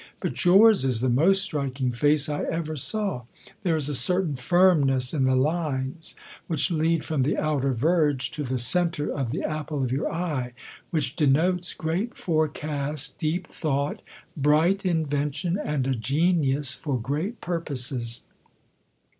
^ But yours is the most striking face I ever saw. There is a certain firmness in the lines, which lead from the outei verge to the centre of the apple of your eye, which denotes great forecast, deep thought, bright invention, and a genius for great purposes.